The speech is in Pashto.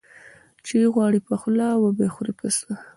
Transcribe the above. ـ چې وغواړې په خوله وبه خورې په څه.